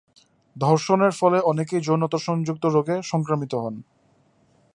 ধর্ষণের ফলে অনেকেই যৌনতা সংযুক্ত রোগে সংক্রামিত হন।